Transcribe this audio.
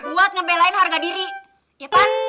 buat ngebelain harga diri ya kan